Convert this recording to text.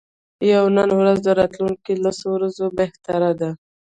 یوه نن ورځ د راتلونکو لسو ورځو بهتره ده.